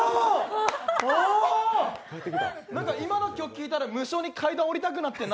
あ、あ、今の曲、聴いたら無性に階段を下りたくなってな。